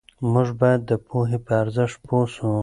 موږ باید د پوهې په ارزښت پوه سو.